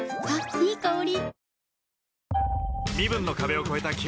いい香り。